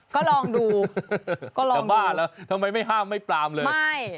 ก็ลองดูจะบ้าแล้วทำไมไม่ห้ามไม่ปลามเลย